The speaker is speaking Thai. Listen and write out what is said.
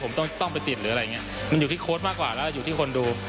ผมต้องไปติดหรืออะไรอยู่ที่โค้ดมากกว่าแล้วอยู่ที่คนดู